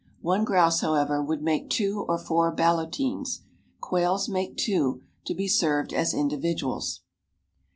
One grouse, however, would make two or four ballotines; quails make two, to be served as individuals.